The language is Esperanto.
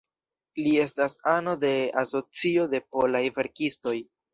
Li estas ano de Asocio de Polaj Verkistoj.